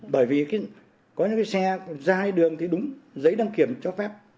bởi vì có những cái xe ra đường thì đúng giấy đăng kiểm cho phép